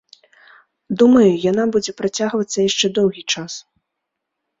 Думаю, яна будзе працягвацца яшчэ доўгі час.